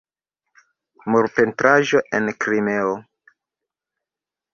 Murpentraĵo en Krimeo.